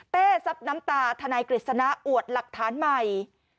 ซับน้ำตาทนายกฤษณะอวดหลักฐานใหม่